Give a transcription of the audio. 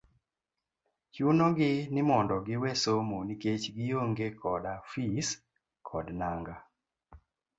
chuno gi mondo giwe somo nikech gi onge koda fis kod nanga.